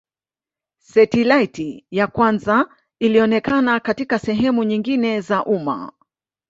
Setilaiti ya kwanza ilionekana katika sehemu nyingine za umma